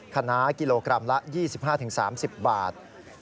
คณะกิโลกรัมละ๒๕๓๐บาท